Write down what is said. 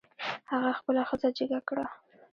هغه خپله ښځه جګه کړه.